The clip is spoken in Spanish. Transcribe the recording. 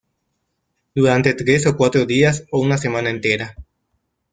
Durante tres o cuatro días o una semana entera.